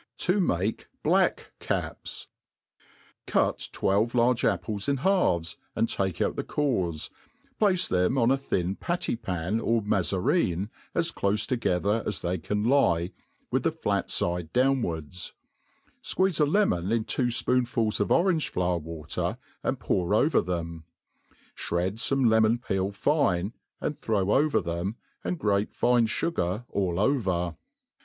To make Black Cap $• CUT twelve large apples in halves, and take out the cores, place them on a thin patty pan, or mazarine, as clofe toge*" ther as they can lie, with the flat fide downards ; fqueeze a • lemon in two fpoonfuls of orange flower water, and pour over them ; (hred fome lemon*peel fine, and throw over them, and grate fine fugar all over.